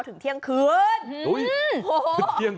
ถึงเที่ยงคืน